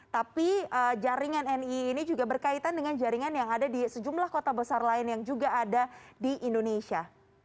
tapi jaringan nii ini juga berkaitan dengan jaringan yang ada di sejumlah kota besar lain yang juga ada di indonesia